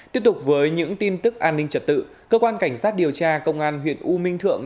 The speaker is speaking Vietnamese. tiếp tục với những tin tức an ninh trật tự cơ quan cảnh sát điều tra công an huyện u minh thượng